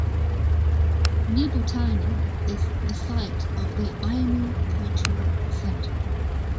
Nibutani is the site of the Ainu Cultural center.